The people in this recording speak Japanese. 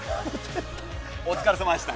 お疲れさまでした。